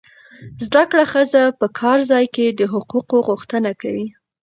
زده کړه ښځه په کار ځای کې د حقوقو غوښتنه کوي.